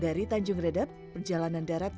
dari tanjung redap perjalanan darat